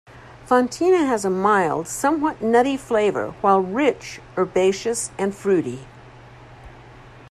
Fontina has a mild, somewhat nutty flavor, while rich, herbaceous and fruity.